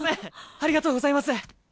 ありがとうございます！